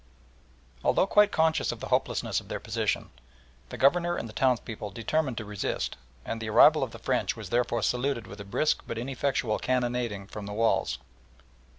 Although quite conscious of the hopelessness of their position, the Governor and the townspeople determined to resist, and the arrival of the French was therefore saluted with a brisk but ineffectual cannonading from the walls.